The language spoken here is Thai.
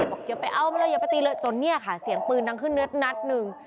บอกอย่าไปเอามาเลยอย่าไปตีเลยจนเนี่ยค่ะเสียงปืนดังขึ้นนัดหนึ่ง